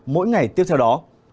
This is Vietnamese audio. mỗi ngày tiếp theo đó